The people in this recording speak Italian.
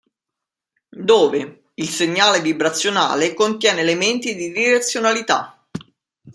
Dove: il segnale vibrazionale contiene elementi di direzionalità.